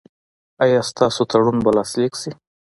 ایا ستاسو تړون به لاسلیک شي؟